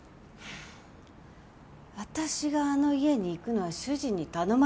私があの家に行くのは主人に頼まれたからです。